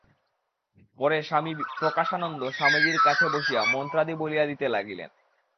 পরে স্বামী প্রকাশানন্দ স্বামীজীর কাছে বসিয়া মন্ত্রাদি বলিয়া দিতে লাগিলেন।